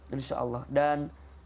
insya allah dan